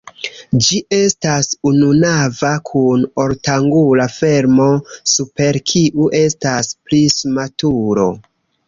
Ĝi estas ununava kun ortangula fermo, super kiu estas prisma turo.